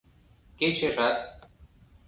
Кечыжат